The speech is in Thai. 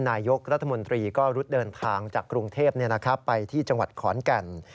นายกรัฐมนตรีก็รุดเดินทางจากกรุงเทพไปที่จังหวัดขอนแก่น